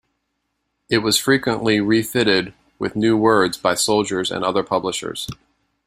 It was frequently refitted with new words by soldiers and other publishers.